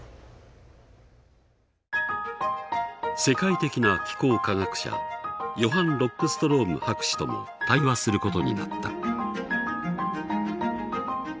世界的な気候科学者ヨハン・ロックストローム博士とも対話することになった。